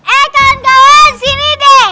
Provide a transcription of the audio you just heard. eh kawan kawan sini deh